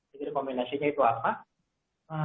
jadi rekomendasinya itu apa